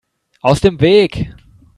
Aus dem Weg!